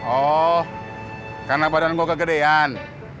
oh karena badan kok kegedean